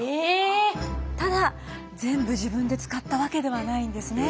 ただ全部自分で使ったわけではないんですね。